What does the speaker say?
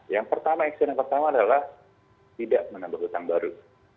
yang pertama action yang pertama adalah tidak menambah hutang baru